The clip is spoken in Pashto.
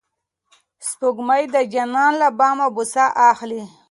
سپوږمۍ د جانان له بامه بوسه اخلي.